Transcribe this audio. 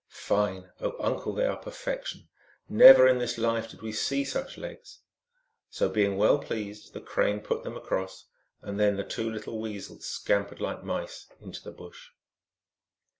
"Fine! oh, uncle, they are perfection. Never in this life did we see such legs !" So being well pleased, the Crane put them across, and then the two little Weasels scam pered like mice into the bush.